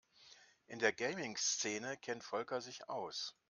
In der Gaming-Szene kennt Volker sich aus.